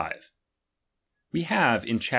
We have, in chap.